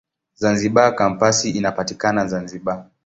Zanzibar Kampasi inapatikana Zanzibar.